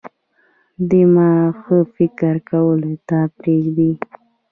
دماغ ښه فکر کولو ته پریږدي.